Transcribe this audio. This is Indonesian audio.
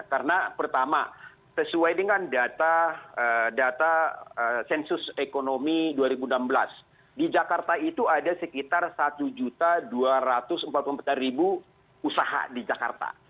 karena pertama sesuai dengan data sensus ekonomi dua ribu enam belas di jakarta itu ada sekitar satu dua ratus empat puluh satu usaha di jakarta